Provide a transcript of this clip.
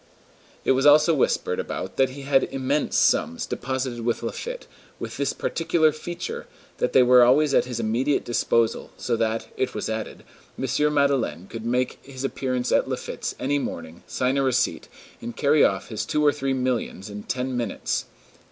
It was also whispered about that he had "immense" sums deposited with Laffitte, with this peculiar feature, that they were always at his immediate disposal, so that, it was added, M. Madeleine could make his appearance at Laffitte's any morning, sign a receipt, and carry off his two or three millions in ten minutes.